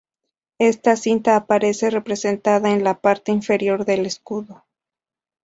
Esta cinta aparece representada en la parte inferior del escudo.